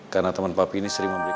karena temen papi ini sering memberikan